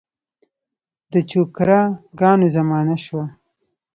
د چوکره ګانو زمانه شوه.